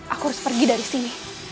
aku harus pergi dari sini